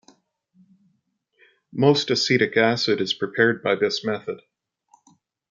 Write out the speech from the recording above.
Most acetic acid is prepared by this method.